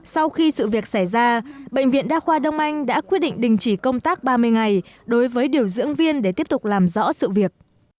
sau khi sự việc xảy ra bệnh viện đa khoa đông anh đã quyết định đình chỉ công tác ba mươi ngày đối với điều dưỡng viên để tiếp tục làm rõ sự việc